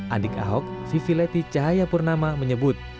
adik ahok vivi leti cahaya purnama menyebut